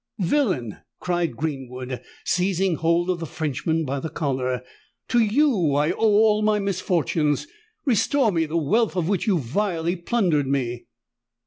"Villain!" cried Greenwood, seizing hold of the Frenchman by the collar: "to you I owe all my misfortunes! Restore me the wealth of which you vilely plundered me!"